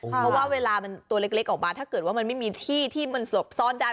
เพราะว่าเวลามันตัวเล็กออกมาถ้าเกิดว่ามันไม่มีที่ที่มันสลบซ่อนได้